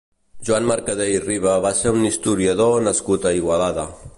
Joan Mercader i Riba va ser un historiador nascut a Igualada.